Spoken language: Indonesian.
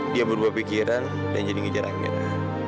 dia berubah pikiran dan jadi ngejar anggaran